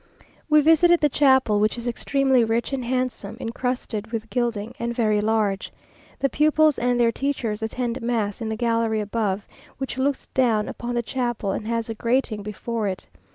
We visited the chapel, which is extremely rich and handsome, incrusted with gilding, and very large. The pupils and their teachers attend mass in the gallery above, which looks down upon the chapel and has a grating before it.